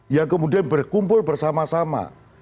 yang kemudian berkumpul bersama sama